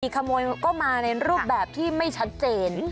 ขโมยก็มาในรูปแบบที่ไม่ชัดเจน